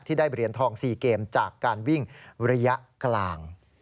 ได้เหรียญทอง๔เกมจากการวิ่งระยะกลาง